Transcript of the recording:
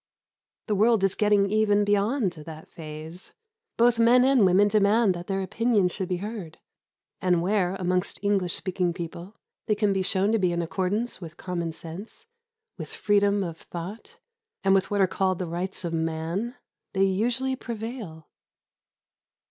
The world is getting even beyond that phase. Both men and women demand that their opinions should be heard; and where, amongst English speaking people, they can be shown to be in accordance with common sense, with freedom of thought, and with what are called the Rights of Man, they usually prevail.